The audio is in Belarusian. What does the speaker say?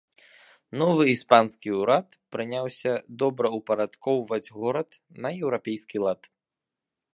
Новы іспанскі ўрад прыняўся добраўпарадкоўваць горад на еўрапейскі лад.